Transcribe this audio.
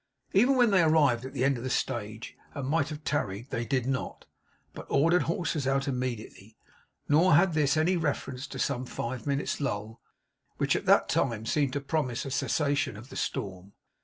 Even when they arrived at the end of the stage, and might have tarried, they did not; but ordered horses out immediately. Nor had this any reference to some five minutes' lull, which at that time seemed to promise a cessation of the storm.